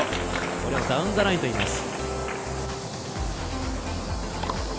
これをダウンザラインといいます。